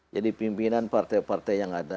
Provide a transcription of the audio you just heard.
jadi pimpinan partai partai yang ada